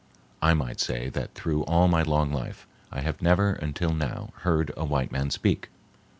I might say that through all my long life I have never until now heard a white man speak.